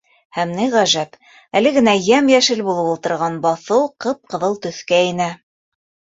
Һәм ни ғәжәп: әле генә йәм-йәшел булып ултырған баҫыу ҡып-ҡыҙыл төҫкә инә.